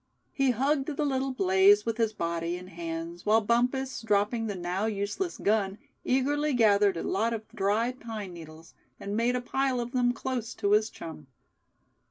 He hugged the little blaze with his body and hands while Bumpus, dropping the now useless gun, eagerly gathered a lot of dry pine needles, and made a pile of them close to his chum.